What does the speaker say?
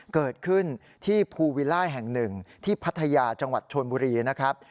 เกิดขึ้นที่ภูวิลล่าแห่งหนึ่งที่พัทยาจังหวัดชนบุรีนะครับ